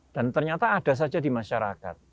dan ternyata ada saja di masyarakat